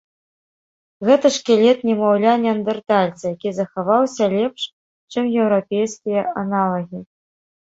Гэта шкілет немаўля-неандэртальца, які захаваўся лепш, чым еўрапейскія аналагі.